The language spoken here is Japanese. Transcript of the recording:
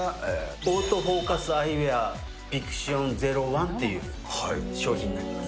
オートフォーカスアイウエア、ヴィクシオン０１という商品になります。